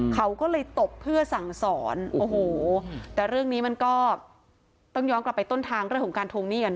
เขาก็เลยตบเพื่อสั่งสอนโอ้โหแต่เรื่องนี้มันก็ต้องย้อนกลับไปต้นทางเรื่องของการทวงหนี้กัน